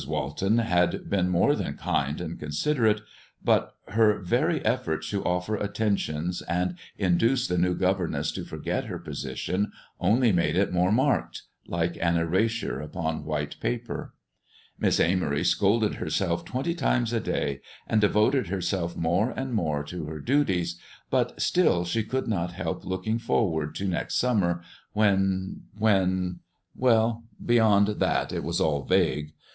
Walton had been more than kind and considerate, but her very effort to offer attentions and induce the new governess to forget her position only made it more marked, like an erasure upon white paper. Miss Amory scolded herself twenty times a day, and devoted herself more and more to her duties, but still she could not help looking forward to next summer, when when well, beyond that it was all vague.